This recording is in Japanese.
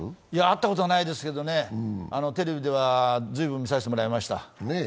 会ったことはないですけどテレビでは随分見させてもらいました。